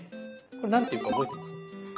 これ何て言うか覚えてます？